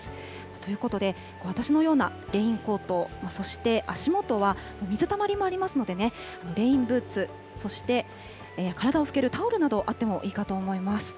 ということで、私のようなレインコート、そして足元は水たまりもありますのでね、レインブーツ、そして体を拭けるタオルなどあってもいいかと思います。